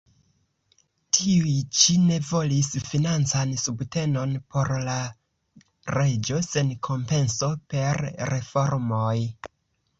Tiuj ĉi ne volis financan subtenon por la reĝo sen kompenso per reformoj.